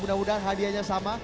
mudah mudahan hadiah yang sama